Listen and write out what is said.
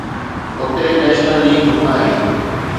اتي national league آهي.